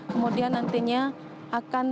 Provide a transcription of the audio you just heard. kemudian nantinya akan